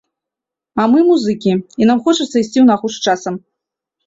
А мы музыкі, і нам хочацца ісці ў нагу з часам.